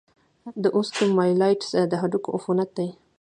د اوسټیومایلايټس د هډوکو عفونت دی.